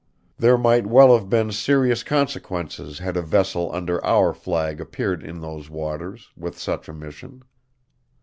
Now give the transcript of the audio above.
There might well have been serious consequences had a vessel under our flag appeared in those waters, with such a mission.